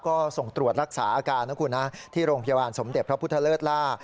ก็ส่งตรวจรักษาอาการนะคุณนะที่โรงพยาบาลสมเด็จพระพุทธเลิศล่า